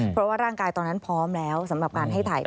เพราะว่าร่างกายตอนนั้นพร้อมแล้วสำหรับการให้ถ่าย